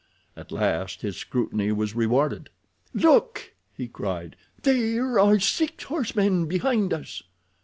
At last his scrutiny was rewarded. "Look!" he cried. "There are six horsemen behind us."